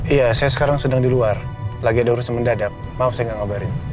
iya saya sekarang sedang di luar lagi ada urusan mendadak maaf saya nggak ngobarin